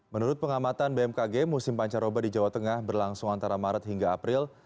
menurut pengamatan bmkg musim pancaroba di jawa tengah berlangsung antara maret hingga april